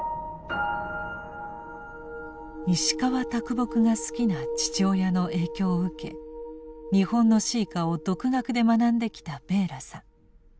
石川木が好きな父親の影響を受け日本の詩歌を独学で学んできたベーラさん。